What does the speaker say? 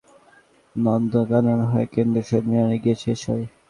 মিছিলটি চেরাগীর মোড় থেকে নন্দনকানন হয়ে কেন্দ্রীয় শহীদ মিনারে গিয়ে শেষ হয়।